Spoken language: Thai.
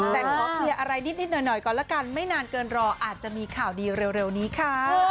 แต่ขอเคลียร์อะไรนิดหน่อยก่อนละกันไม่นานเกินรออาจจะมีข่าวดีเร็วนี้ค่ะ